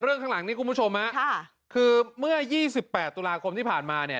ข้างหลังนี้คุณผู้ชมฮะคือเมื่อ๒๘ตุลาคมที่ผ่านมาเนี่ย